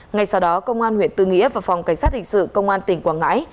ngay sau đó công an huyện tư nghĩa và phòng cảnh sát hình sự công an tỉnh quảng ngãi